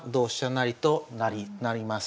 成となります。